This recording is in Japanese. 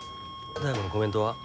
大門のコメントは？